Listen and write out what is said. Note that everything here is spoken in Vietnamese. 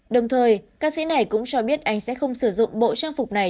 đồng thời ca sĩ này cũng cho biết anh sẽ không sử dụng bộ trang phục này